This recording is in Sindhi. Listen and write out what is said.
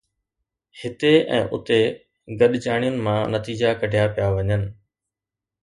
هتي ۽ اتي گڏجاڻين مان نتيجا ڪڍيا پيا وڃن